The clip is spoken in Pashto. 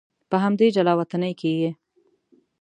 په همدې جلا وطنۍ کې یې.